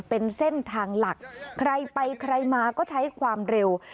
เป็นเส้นทางหลักใครไปใครมาก็ใช้ความเร็ว